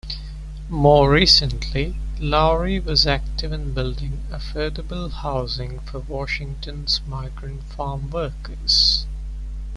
More recently, Lowry was active in building affordable housing for Washington's migrant farm workers.